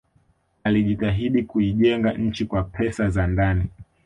alijitahidi kuijenga nchi kwa pesa za ndani